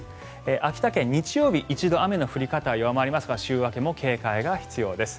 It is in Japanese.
秋田県、日曜日一度雨の降り方が弱まりますが週明けも警戒が必要です。